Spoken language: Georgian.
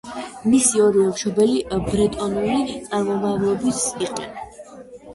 მისი ორივე მშობელი ბრეტონული წარმომავლობის იყვნენ.